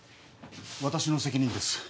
私の責任です